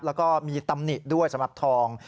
แล้วก็มีตำหนิด้วยสำหรับทอง